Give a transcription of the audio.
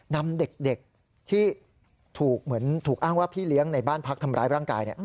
นำเด็กที่ถูกเหมือนถูกอ้างว่าพี่เลี้ยงในบ้านพักทำร้ายร่างกาย